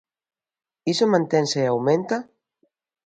Iso mantense e aumenta?